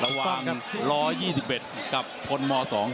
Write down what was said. ระหว่าง๑๒๑กับคนม๒